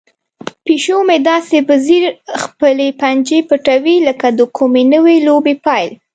پیشو مې داسې په ځیر خپلې پنجې پټوي لکه د کومې نوې لوبې پیل.